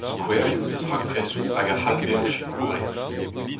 Skouerioù eus raktresoù hag a c'hall bezañ sikouret.